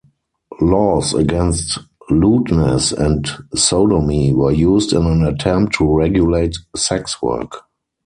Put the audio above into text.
Laws against lewdness and sodomy were used in an attempt to regulate sex work.